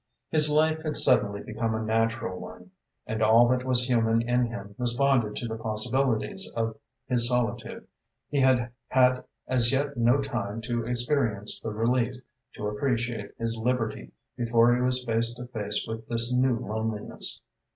His life had suddenly become a natural one, and all that was human in him responded to the possibilities of his solitude, He had had as yet no time to experience the relief, to appreciate his liberty, before he was face to face with this new loneliness.